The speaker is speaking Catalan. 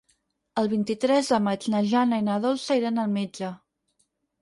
El vint-i-tres de maig na Jana i na Dolça iran al metge.